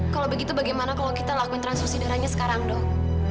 kalau begitu bagaimana kalau kita lakuin transfusi darahnya sekarang dok